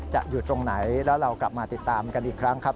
อยู่ตรงไหนแล้วเรากลับมาติดตามกันอีกครั้งครับ